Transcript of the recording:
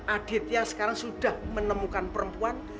aditnya sekarang sudah menemukan perempuan